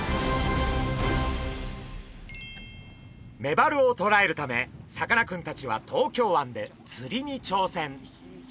メバルをとらえるためさかなクンたちは東京湾で釣りに挑戦！